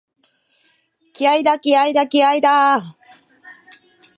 気合いだ、気合いだ、気合いだーっ！！！